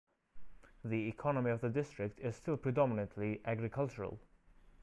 The economy of the district is still predominantly agricultural.